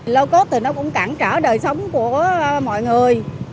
lâu cốt thì nó cũng cản trở đời sống của mọi người